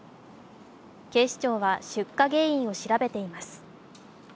警視庁は出火原因を調べています。